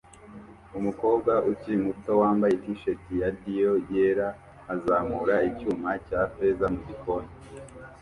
Umukobwa ukiri muto wambaye t-shirt ya Dior yera azamura icyuma cya feza mugikoni